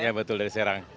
ya betul dari serang